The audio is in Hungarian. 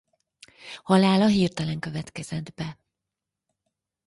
Halála hirtelen következett be.